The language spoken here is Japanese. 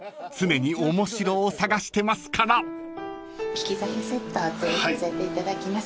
利き酒セットおつぎさせていただきます。